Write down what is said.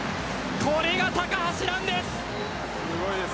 これが高橋藍です。